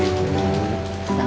terima kasih mas